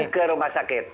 ke rumah sakit